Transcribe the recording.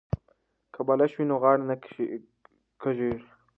که بالښت وي نو غاړه نه کږیږي.